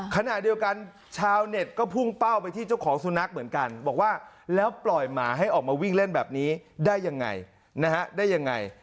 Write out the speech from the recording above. ขณะเดียวกันชาวเน็ตก็พุ่งเป้าไปที่เจ้าของสุนัขเหมือนกันบอกว่าแล้วปล่อยหมาให้ออกมาวิ่งเล่นแบบนี้ได้ยังไงนะฮะได้ยังไง